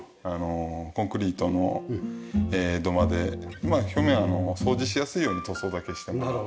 コンクリートの土間で表面は掃除しやすいように塗装だけしてもらって。